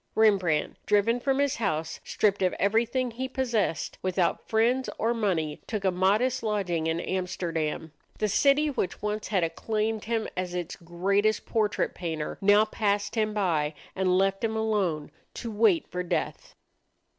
Rembrandt, driven from his house, stripped of everything he possessed, without friends or money, took a modest lodging in Amsterdam. The city which once had acclaimed him as its greatest portrait painter now passed him by and left him alone to wait for death.